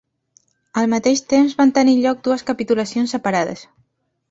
Al mateix temps van tenir lloc dues capitulacions separades.